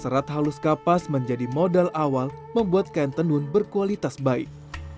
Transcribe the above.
serat halus kapas menjadi modal awal membuat kain tenun berkualitas baik